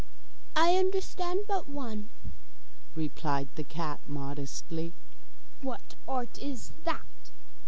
'I understand but one,' replied the cat, modestly. 'What art is that?